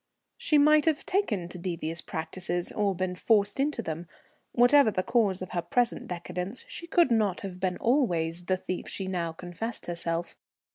She might have taken to devious practices, or been forced into them; whatever the cause of her present decadence she could not have been always the thief she now confessed herself.